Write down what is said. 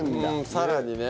さらにね。